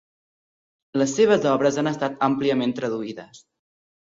Les seves obres han estat àmpliament traduïdes.